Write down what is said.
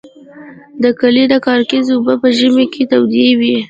د کلي د کاریز اوبه په ژمي کې تودې وې.